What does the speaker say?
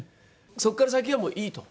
「そこから先はもういい」と。